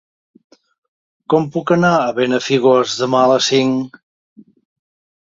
Com puc anar a Benafigos demà a les cinc?